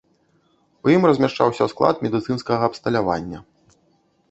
У ім размяшчаўся склад медыцынскага абсталявання.